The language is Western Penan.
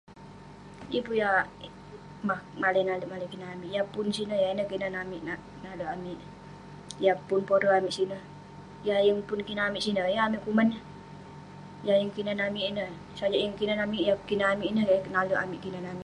Yeng pun yah mah malai nale'erk, malai kinan amik. Yah pun sineh, yah ineh kinan amik, nale'erk amik ; yah pun porer amik sineh. Yah yeng pun kinan amik ineh, yeng amik kuman eh. Yah yeng kinan amik ineh, sajak yeng kinan amik. Yah kinan amik ineh kek yah nale'erk, kinan amik.